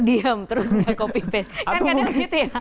diam terus nggak copy paste